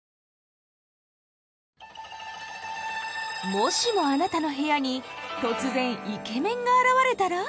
もしもあなたの部屋に突然イケメンが現れたら？